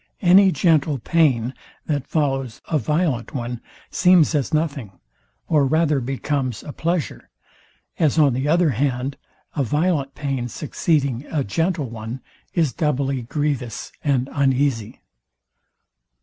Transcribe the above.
Any gentle pain, that follows a violent one, seems as nothing, or rather becomes a pleasure; as on the other hand a violent pain, succeeding a gentle one, is doubly grievous and uneasy.